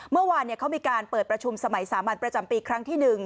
เมื่อวานเขามีการเปิดประชุมสมัยสามัญประจำปีครั้งที่๑